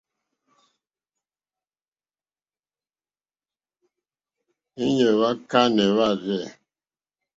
Íɲá hwá kánɛ̀ hwârzɛ̂.